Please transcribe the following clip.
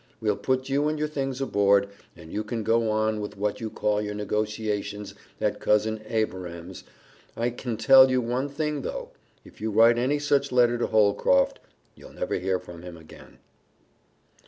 We'll put you and your things aboard, and you can go on with what you call your negotiations at Cousin Abiram's. I can tell you one thing though if you write any such letter to Holcroft, you'll never hear from him again."